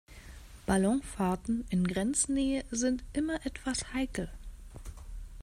Ballonfahrten in Grenznähe sind immer etwas heikel.